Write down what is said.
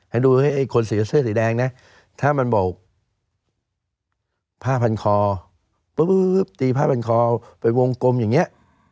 ดูให้ไอ้คนสีเสื้อสีแดงนะถ้ามันบอกผ้าพันคอปึ๊บตีผ้าพันคอไปวงกลมอย่างนี้